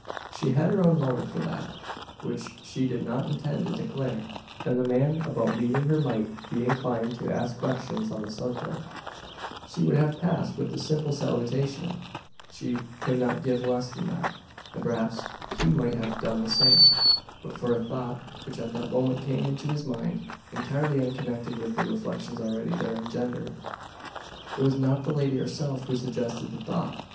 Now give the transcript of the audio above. She had her own motive for that, which she did not intend to declare; and the man about meeting her might be inclined to ask questions on the subject. She would have passed with a simple salutation she could not give less than that. And perhaps he might have done the same; but for a thought which at that moment came into his mind, entirely unconnected with the reflections already there engendered. It was not the lady herself who suggested the thought.